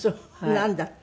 なんだって？